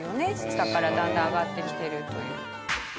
下からだんだん上がってきてるという。